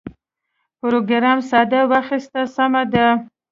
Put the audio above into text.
پروګرامر ساه واخیسته سمه ده